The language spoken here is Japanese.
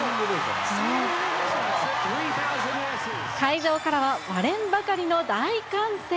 会場からは割れんばかりの大歓声。